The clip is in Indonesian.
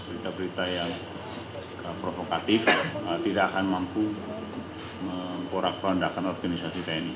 berita berita yang provokatif tidak akan mampu memporak pondakan organisasi tni